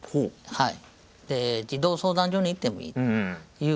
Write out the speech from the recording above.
はい。